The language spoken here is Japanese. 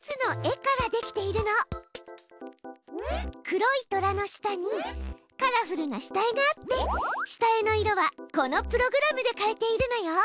黒いトラの下にカラフルな下絵があって下絵の色はこのプログラムで変えているのよ。